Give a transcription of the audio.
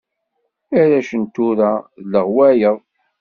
Arrac n tura d leɣwayeḍ.